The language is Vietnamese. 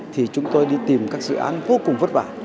thì chúng tôi đi tìm các dự án vô cùng vất vả